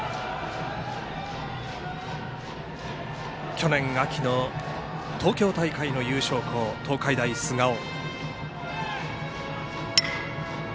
去年、秋の東京大会の優勝校東海大菅生。